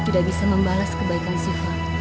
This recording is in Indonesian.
tidak bisa membalas kebaikan sifat